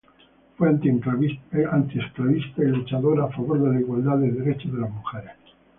Fue antiesclavista y luchadora a favor de la igualdad de derechos de las mujeres.